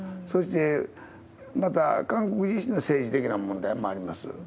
そして、また韓国自身の政治的な問題もあります。